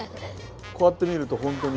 こうやって見ると、本当に。